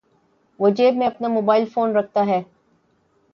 وہ جیب میں اپنا موبائل فون رکھتا ہے۔